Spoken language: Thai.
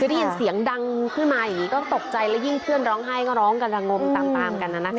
คือได้ยินเสียงดังขึ้นมาอย่างนี้ก็ตกใจแล้วยิ่งเพื่อนร้องไห้ก็ร้องกันระงมตามกัน